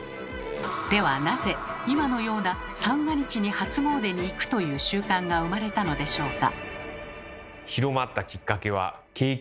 ではなぜ今のような三が日に初詣に行くという習慣が生まれたのでしょうか？